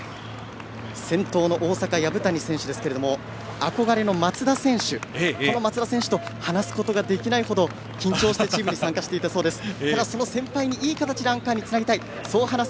先頭の大阪の薮谷選手ですが憧れの松田選手と話すことができないほど緊張してチームに参加していたそうです。